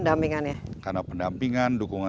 jadi ini karena pendampingannya